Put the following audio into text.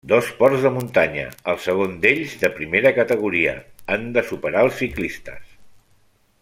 Dos ports de muntanya, el segon d'ells de primera categoria, han de superar els ciclistes.